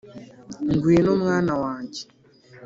'ngwino, mwana wanjye,